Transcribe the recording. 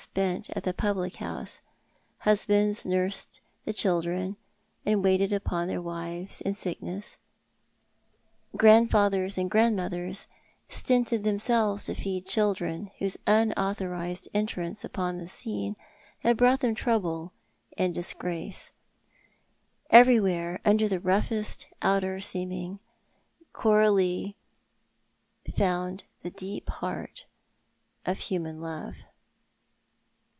■■pi'nt at the public liouse— husbands nursed the children aud waited upon their wives iu sickness grandfathers 326 Tho2i art the Man, and grandmothers stinted themselves to feed children whose unauthorised entrance upon the scene had brought them trouble and disgrace. Everywhere under the roughest outer seeming Coralie found the deep heart of human love.